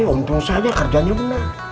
untung saja kerjanya benar